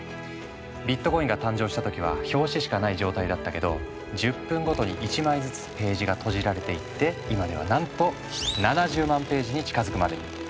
ビットコインが誕生した時は表紙しかない状態だったけど１０分ごとに１枚ずつページがとじられていって今ではなんと７０万ページに近づくまでに。